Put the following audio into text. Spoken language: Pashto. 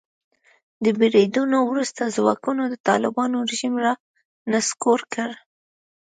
د بریدونو وروسته ځواکونو د طالبانو رژیم را نسکور کړ.